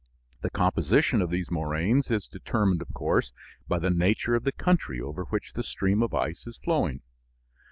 The composition of these moraines is determined of course by the nature of the country over which the stream of ice is flowing.